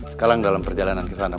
sekarang dalam perjalanan ke sana